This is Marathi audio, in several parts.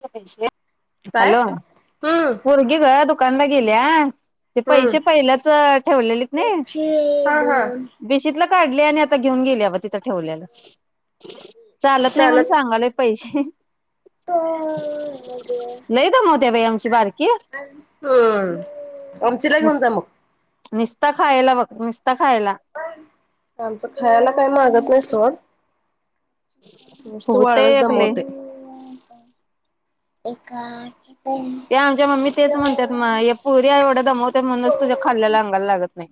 [unintelligible] काय हॅलो हम्म मुलगी [unintelligible] दिल्या ते पैसे हम्म पहिल्याच ठेवलेलेत नाय, हा हा बिशीतला काढले आणि आता घेऊन गेले, आव तिथं ठेवलेलं. चालत नाही म्हणून सांगालय पैसे. [unintelligible] लई दमवत्या बाई आमची बारकी हम्म आमची ला घेऊन निस जा मग. निस्ता खायला बघ मग आमच खायला काही मागत नाही सोड. निस्त वाळच फुगतय एक लई दमवतेय. एका [unintelligible] ते आमच्या मम्मी तेच म्हणतात, म पुरी एवढ्या दमवत म्हणूनच, तुझ्या खाल्ल्याला अंगायला लागत नाही.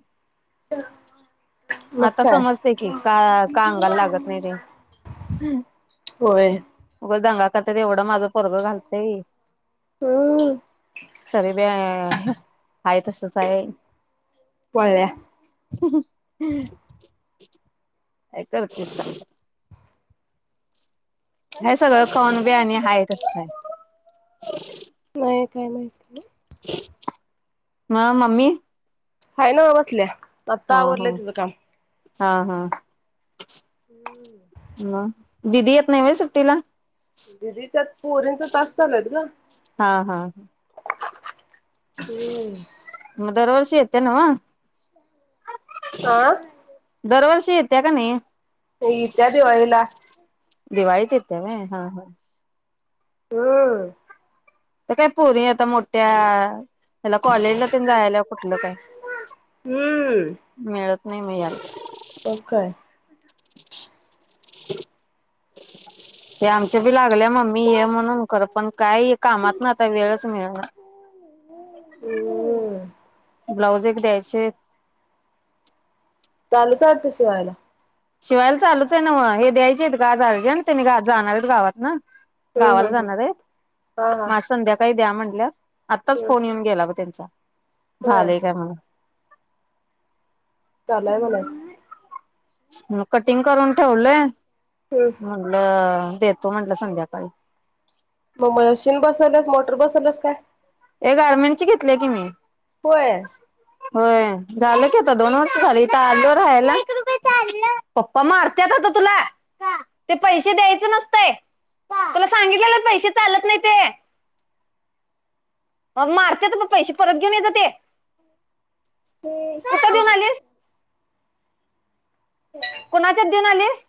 मग आता काय समजते की, का का अंगाला लागत नाही ते अ होय उगंच दंगा त्यात त्याज तेवढं माझं परगं घालतय. तरी बी आ आ हः आहेय तसच आहे, वळल्या हं हं. हम् काय करतेस. [unintelligible] हे सगळं कनबे आणि हा तसय. हो नाही काय माहिती नाय. हा मम्मी हय नाव बसल्या. आत्ता हा हा आवरलंय तिचं काम. हा हा. म दिदी येत नाही होय सुट्टीला. दिदीच्या पोरींचा तास चालूयत ग. हा हा हू येत नाव हा दरवर्षी येत येत्या का नाही. होय इत्या दिवाळीला. दिवाळी ते त्या होय हा हा हम् आता काय पोरी आता मोठ्या त्याला कॉलेजला तेन जायला कुठलं काय मिळत. नाही मि आल. हो काय. ते आमच बी लाग गल्या मम्मी ये म्हणून खरं पण काय कामात आता वेळच मिळणार हम्म ब्लाउज एक द्यायचेत. चालूच आहे वाटतं शिवायला. शिवायला चालूच आहे नव हे द्यायचे आहेत ग आज अर्जंट त्यांनी जाणारच गावात न. हम्म गावाला हम्म हम्म. जाणार आहेत. हा हा मग आज संध्याकाळी द्या म्हणल्यात. आत्ताच हम्म फोन येऊन गेला बघ त्यांचा. होय झालेय काय म्हणून. चालू आहे म्हणायचं. मग कटिंग करून ठेवलंय हम्म. मणलं देतो म्हटलं संध्याकाळी. मग मशीन बसवल्यास मोटर बसवल्यास काय? हे गारमेंटची घेतले की मी होय. होय झालं की आता दोन वर्ष झाली आलो रायला पप्पा मारत्यात हं आता तुला ते पैसे द्यायच नसतय तुला सांगितले पैसे चालत नाही ते. मग मारते तर म पैसे परत घेऊन येजा ते ते कोणाच्यात देऊन आलीस.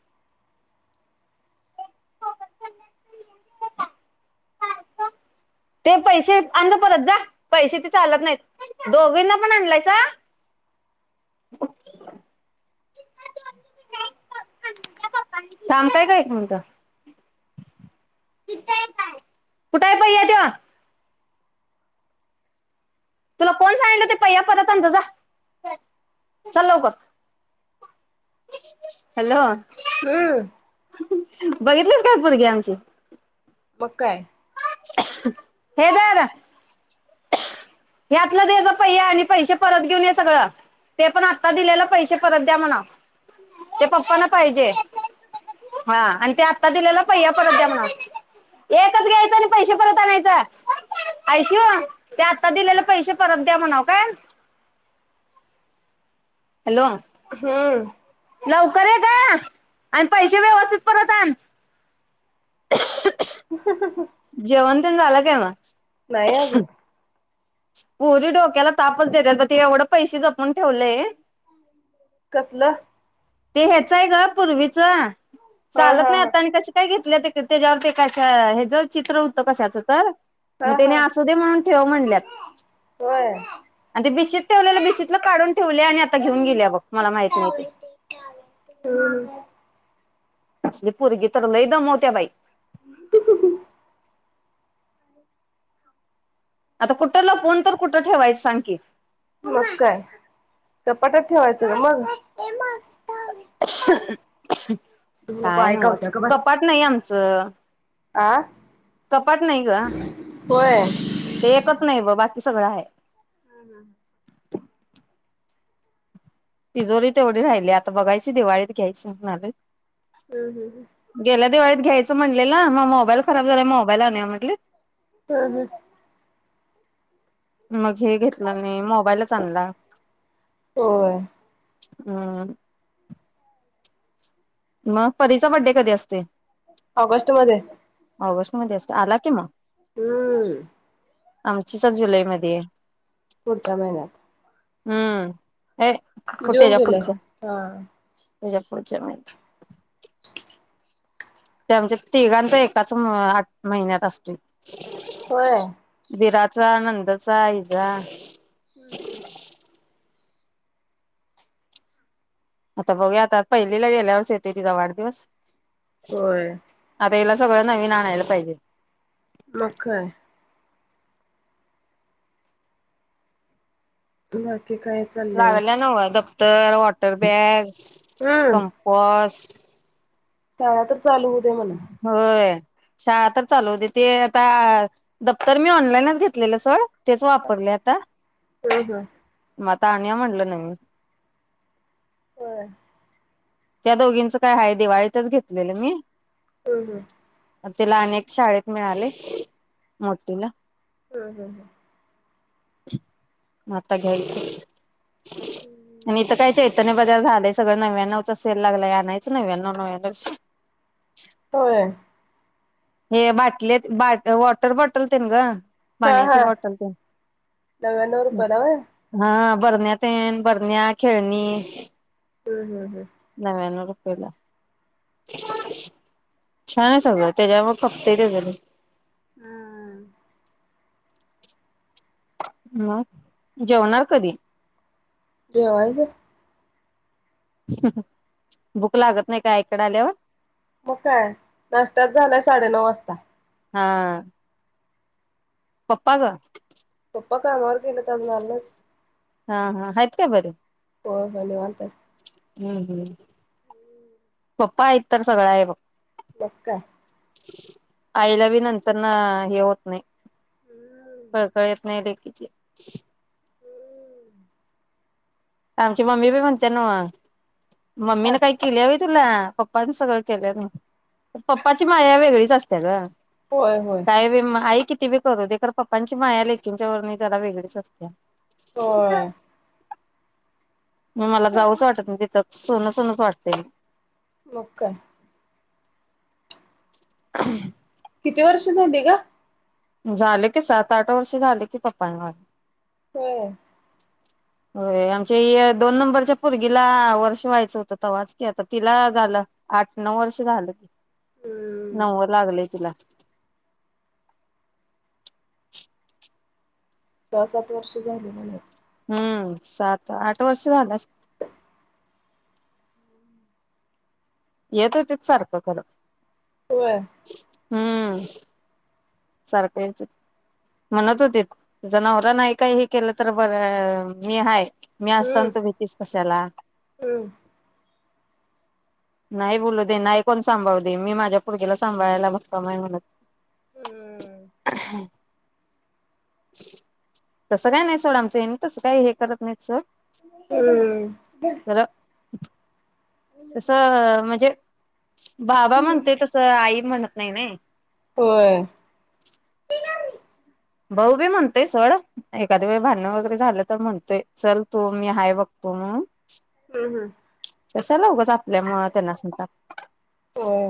ते पैसे अंजा परत जा पैसे ते चालत नाहीत दोघींना पण आणलायसा? थांबताय काय एक मिनिटं ते काय कुठ आहे पहिया तो? तुला कोण सांगलं ते पहिया परत आंजा जा चालवकर हॅलो हम्म बघितलीस काय पोरगी आमची. बघ काय. हे धर. यातला दिवस पहिला आणि पैसे परत घेऊन ये सगळं ते पण आत्ता दिलेलं पैसे परत द्या म्हणाव. ते पप्पांना पाहिजे हा आणि ते आत्ता दिलेला पहिया परत द्या म्हणाव एकच घ्यायचं आणि पैसे परत आणायचं आयशु. ते आता दिलेले पैसे परत द्या म्हणा काय. हॅलो हम्म लवकर ये ग आणि पैसे व्यवस्थित परत आण. ह हा हा. जेवण पण झालं काय मग. नाही अजून. पोरी डोक्याला तापच देतात ब ते एवढं पैसे जपून ठेवलेय कसलं? ते हे चर ग पूर्वीच हा हा चालत नाही हा. आत्ता आणि कशी काय घेतले ते त्याच्यावरती कश्या हेच चित्र होतं कशाचं तर, हा मग हा त्याने असू दे म्हणून ठेव म्हणल्यात. होय. आणि ते बिशीत ठेवलेलं, बिशीतल काढून ठेवल्या आणि आता घेऊन हम्म गेल्या बघ मला माहित नाही ते, असली पोरगी तर लई दमवत्या बाई, [inaudible] आता कुठ लपवून तर कुठं ठेवायचं सांग की, मग काय? कपाटात ठेवायचं ग मग नको काय ऐकावत्या न्हवचं, गप बस कपाट नाही आम आमचं आ कपाट नाही ग, होय. ते एकच नाही ब बाकी सगळं हाय. ह हा. तिजोरी तेवढी राहिल्या, आता बघायची दिवाळीत घ्यायची म्हणालोय. हम्म हम्म हम्म. गेल्या दिवाळीत घ्यायचं म्हणलेल, म मोबाईल खराब झालाय मोबाईल आणूया म्हटलीत. हम्म मग हे घेतलं मी मोबाईलचं आणला. होय हम. म परीचा बड्डे कधी असतोय, ऑगस्ट मध्ये ऑगस्ट. मध्ये असतोय आला कि मग, हम्म. आमचीचा जुलै मध्ये, पुढच्या महिन्यात, हम्म. हे, जून तेच्या जुलै पुढच्या हा तेच्या पुढच्या महिन्यात. [unintelligible] ते आमच्या तिघांचा एकाच आठ महिन्यात असतोय. होय. चा, नंदचा, हिचा. हम्म हम्. आता बघुया आता पहिलीला गेल्यावरच येतोय तिचा वाढदिवस. होय आता हिला. सगळं नवीन आणायला पाहिजे. मग काय. मग. काय चाललंय लागलीया नंव्ह दप दत्पतर वाॅ वाॅटर-बॅग, हम्म कंपास. [unintelligible] म्हणा होय. शाळा तर चालू होऊ दे ते आता दफ्तर मी ऑनलाईनच घेतलेलं सोड तेच वापरले आता हम्म हम्म म आ तानिया म्हणलं नाही मी. होय. त्या दोघींचं काय आहे दिवाळीतच घेतलेलं मी हम्म-हम्म तिला अनेक शाळेत मिळाले मोठीला. हम्म -हम्म म आता घ्यायचं? हम्म आणि इथं काय ते बजार झालेय सगळ नव्यान सेल लागला आणायचं नव्यानो [unintelligible] होय. हे बाटले बाट वॉटर बॉटल ते न ग पाण्याची हा-हा बॉटल नव्यानो तेन रुपयला होय. हा बरण्या तेन बरण्या खेळणी हम्म-हम्म-हम्म नव्यानो रुपयला छान आहे सगळं त्याच्यावर कप्पे देता ते. हम्मम. मग जेवणार कधी? जेवायचं. [unintelligible] भूक लागत नाही का आई कड आल्यावर? मग काय नाष्टयाच झालंय साडेनऊ वाजता. हा पप्पा ग. पप्पा कामावर गेलेत. अजून आले नाहीत. हा-हा आहेत काय बरे. होय-होय निवांत आहे. हम्म-हम्म पप्पा आहेत तर सगळं आहे बग. लका आईला बी नंतर ना हे होत नाही कळकळत येत नाही [unintelligible] किती? [unintelligible] आमची मम्मी बी म्हणते नवं मम्मीने काही केल्या हो तुला पप्पनी सगळं केलं म पप्पाची माया वेगळीच अस त्या ग होय होय साहेब मग आई किती? ती बी करू दे कारण पप्पांची माया लेकींच्या वर जरा वेगळीच असते. होय मग मला जाऊच वाटत तिथं सुन सुनच वाटते मग काय [inaudible] किती वर्ष झाली का? झाले की सात आठ वर्ष झाले की पप्पांना होय. होय आमच्या या दोन नंबरच्या पोरगीला वर्ष व्हायचं होत, तवाच कि आता तिला झालं आठ, नऊ वर्ष झालं. हम्म नवव लागलय तिला. सहा, सात वर्ष झाली म्हणू. हम्म सात, आठ वर्ष झालंस. येत होतेत सारखं खरं. होय. हूं सारखं यायच म्हणत होते. तुझा नवरा नाही काहीही केलं तर बरं मी हाय. मी हम्म असताना, तू भीतीस कशाला. हम्म नाही बोलू, दे नाही कोण सांभाळू दे, मी माझ्या पोरगीला सांभाळायला भक्कम आहे म्हण. हम्म [unintelligible] तस काय नाही सोड आमच्या ह्यांनी, तसं काय हे करत नाही स [unintelligible] तसं म्हणजे. बाबा, म्हणते तसं आई. म्हणत नाही नाही. होय भाऊ बी म्हणतोय सोड, एखादी वेळ भांडण वगैरे झालं तर म्हणतोय, चल तू मी हाय बघतो म्हणून. हूं हूं! कशाला उगाच आपल्यामुळ त्यांना संताप. होय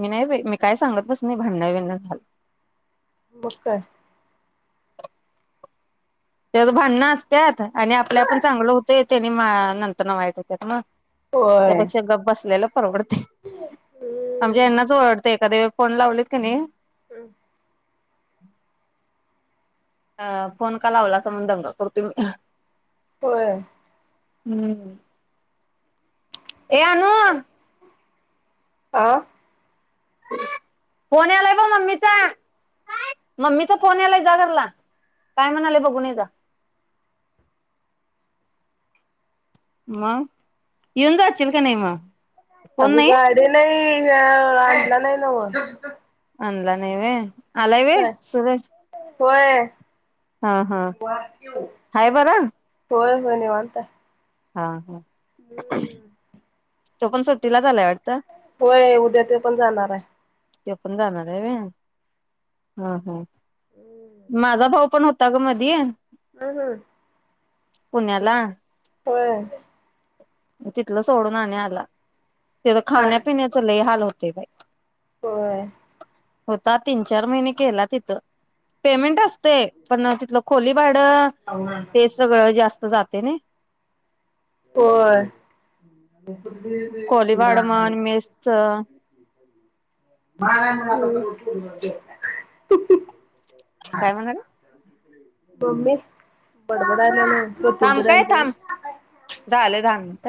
मी नाही बाई मी काय सांगतच नाही, भांडण, बिंडण झालं. मग काय? त्यात भांडण असत्यात, आणि आपल्या आपण चांगलो होतोय, त्यानी नंतर ना वाईट होत्यात म. होय त्यापेक्षा गप्प बसलेलं परवडते, आमच्या हम्म यांनाच ओरडते एखाद्या वेळी. फोन लावलेत का नाही. [unintelligible] [inaudible] अ फोन का लावला असं म्हणून दंगा करतोय मी. होय. हु ए! अनु [inaudible] आह. फोन यालाय ब मम्मीचा, काय मम्मीचा फोन यालाय जा घरला, काय म्हणाले बगुण ये जा. म यंदा आचशील का नाही म. अग गाडी नाही. अ आणला नाही नव्ह. अनला नाही वे. आलाय वे सुरज. व्हय. हा हा आहे बर. हो निवांत हाय. हा हा. [inaudible] तो पण सुट्टीला च आलाय वाट होय उद्या ते पण जाणार आहे. ते पण जाणार आहे वय ह ह. माझा भाऊ पण होता. आता ग मधी. हम् हम्. पुण्याला. होय. तिथलं सोडून आणि आलं [unintelligible] तेज हा खाण्या पिण्याच लइ हाल हो ते बाय होय. होता तीन चार महिने केला तिथ पेमेंट असते पण तिथल खोली भाडं ते सगळं जास्त तो जाते नइ. होय. खोली भाड म्हण मेसच मा म. काय म्हणाले. ममी बडबडाल्या थांब काय थांब झालंय दहा मिनट.